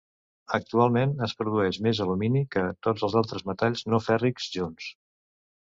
Actualment es produeix més alumini que tots els altres metalls no fèrrics junts.